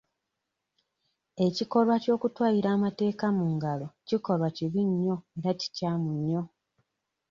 Ekikolwa ky'okutwalira amateeka mu ngalo kikolwa kibi nnyo era kikyamu nnyo.